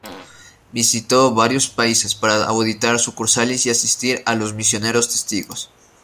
Visitó varios países para auditar sucursales y asistir a los misioneros Testigos.